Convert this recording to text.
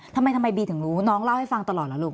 ทำไมทำไมบีถึงรู้น้องเล่าให้ฟังตลอดเหรอลูก